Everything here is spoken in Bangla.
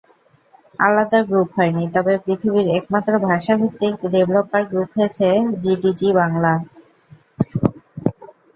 আলাদা গ্রুপ হয়নি, তবে পৃথিবীর একমাত্র ভাষাভিত্তিক ডেভেলপার গ্রুপ হয়েছে জিডিজি-বাংলা।